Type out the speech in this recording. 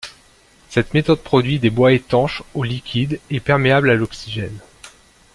Cette méthode produit des bois étanches au liquide et perméables à l'oxygène.